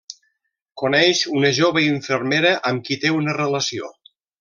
Coneix una jove infermera amb qui té una relació.